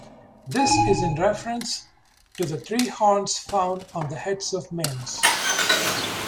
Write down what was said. This is in reference to the three horns found on the heads of males.